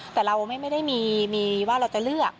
แต่เราไม่ได้มีว่าเราจะเลือก